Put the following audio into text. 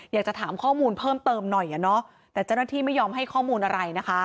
อยากจะถามข้อมูลเพิ่มเติมหน่อยแต่เจ้าหน้าที่ไม่ยอมให้ข้อมูลอะไรนะคะ